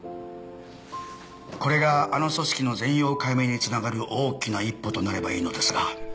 これがあの組織の全容解明に繋がる大きな一歩となればいいのですが。